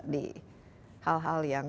di hal hal yang